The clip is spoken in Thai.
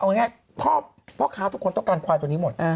เอาง่ายพ่อค้าทุกคนต้องการควายตัวนี้หมด